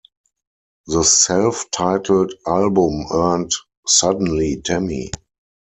The self-titled album earned Suddenly, Tammy!